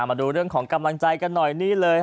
มาดูเรื่องของกำลังใจกันหน่อยนี่เลย